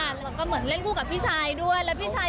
แล้วก็เหมือนเล่นกูกับพี่ชัยด้วย